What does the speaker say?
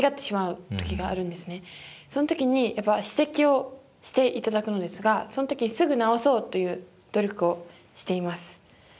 その時にやっぱ指摘をしていただくんですがその時すぐ直そうという努力をしています。